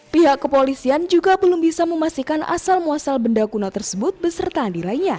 pihak kepolisian juga belum bisa memastikan asal muasal benda kuno tersebut beserta nilainya